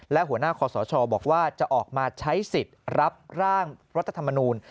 และหัวหน้าคอสชบอกว่าจะออกมาใช้สิทธิ์รับร่างรัฐธรรมนูล